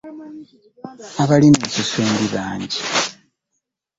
Abalina ensusu embi bangi.